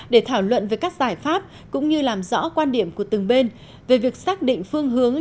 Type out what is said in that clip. để thảo luận về các giải pháp cũng như làm rõ quan điểm của từng bên về việc xác định phương hướng